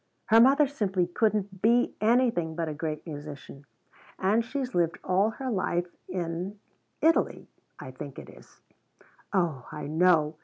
Her mother simply couldn't be anything but a great musician. And she's lived all her life in Italy, I think it is. Oh I know!